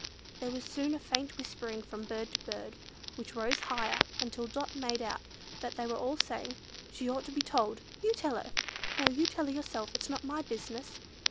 There was soon a faint whispering from bird to bird, which rose higher and higher, until Dot made out that they were all saying, "She ought to be told!" "You tell her!" "No, you tell her yourself, it's not my business!"